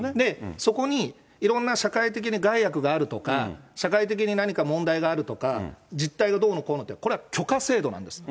そこにいろんな社会的に害悪があるとか、社会的に何か問題があるとか、実態がどうのこうのって、これは許可制度なんです。